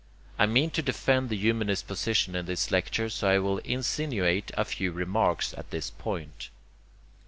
I mean to defend the humanist position in this lecture, so I will insinuate a few remarks at this point.